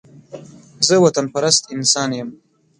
زه وطن پرست انسان يم